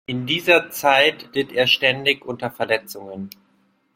In dieser Zeit litt er ständig unter Verletzungen.